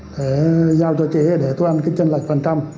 để giao cho chị để tôi ăn cái chân lạch phần trăm